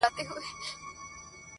ياره وس دي نه رسي ښكلي خو ســرزوري دي.